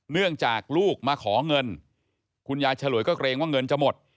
เนื่องจากลูกมาขอเงินคุณยายฉลวยก็เกรงว่าเงินจะหมด